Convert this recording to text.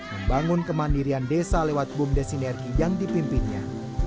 membangun kemandirian desa lewat bumdes sinergi yang dipimpinnya